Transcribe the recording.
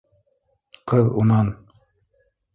Ҡыҙ унан: